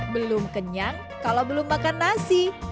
belum kenyang kalau belum makan nasi